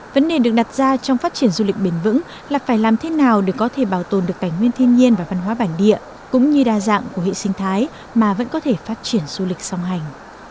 vấn đề được đặt ra trong phát triển du lịch bền vững là phải làm thế nào để có thể bảo tồn được cảnh nguyên thiên nhiên và văn hóa bản địa cũng như đa dạng của hệ sinh thái mà vẫn có thể phát triển du lịch song hành